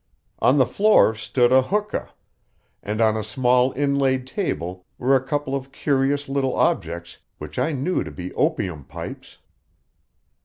On the floor stood a hookah, and on a small inlaid table were a couple of curious little objects which I knew to be opium pipes.